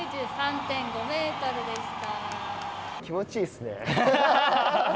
気持ちいいですね。